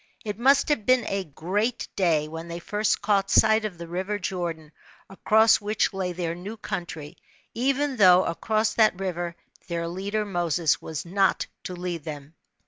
It r^ust have been a great day, when they first caught sight of the river Jordan, across which lay their new country, even though across that river their leader Moses was not to lead them.